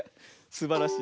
すばらしい。